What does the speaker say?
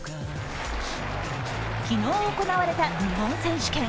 昨日、行われた日本選手権。